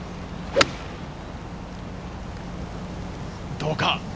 どうか？